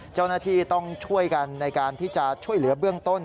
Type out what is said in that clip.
เจ้าหน้าที่ต้องช่วยกันในการที่จะช่วยเหลือเบื้องต้น